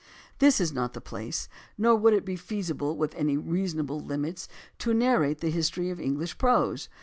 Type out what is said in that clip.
This is not the place, nor would it be feasible within any reasonable limits, to narrate the history of English prose.